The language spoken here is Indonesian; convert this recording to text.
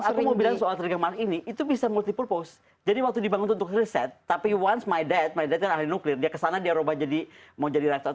enggak aku mau bilang soal trigamark ini itu bisa multiple purpose jadi waktu dibangun untuk set tapi once my dad my dad kan ahli nuklir dia ke sana dia roba jadi mau jadi reaktor